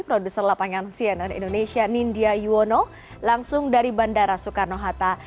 produser lapangan cnn indonesia nindya yuwono langsung dari bandara soekarno hatta